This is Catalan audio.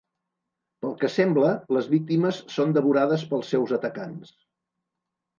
Pel que sembla, les víctimes són devorades pels seus atacants.